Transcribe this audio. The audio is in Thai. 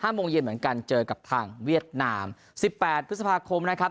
โมงเย็นเหมือนกันเจอกับทางเวียดนามสิบแปดพฤษภาคมนะครับ